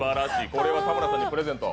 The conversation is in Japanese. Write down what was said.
これは田村さんにプレゼント。